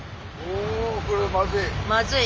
おー、これはまずい。